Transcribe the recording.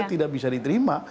yang tidak bisa diterima